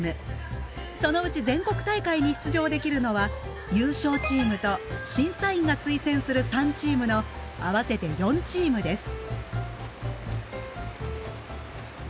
そのうち全国大会に出場できるのは優勝チームと審査員が推薦する３チームの合わせて４チームです。